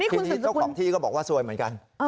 ทีนี้เจ้าของที่ก็บอกว่าซวยเหมือนกัน